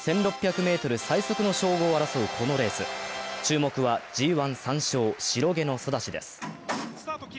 １６００ｍ最速の称号を争うこのレース注目はＧⅠ３勝、白毛のソダシです。